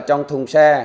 trong thùng xe